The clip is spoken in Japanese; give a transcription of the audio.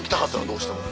どうしても。